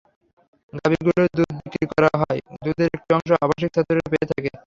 গাভীগুলোর দুধ বিক্রি করা হয়, দুধের একটি অংশ আবাসিক ছাত্ররা পেয়েও থাকে।